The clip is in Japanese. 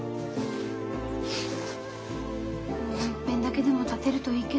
もういっぺんだけでも立てるといいけど。